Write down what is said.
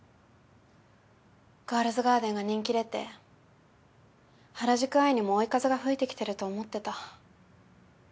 『ガールズガーデン』が人気出て『原宿アイ』にも追い風が吹いてきてると思ってた。